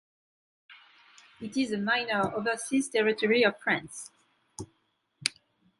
It is a minor overseas territory of France.